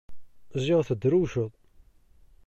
Ziɣ tedrewceḍ!